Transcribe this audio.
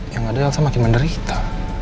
yang ada elsa makin menderita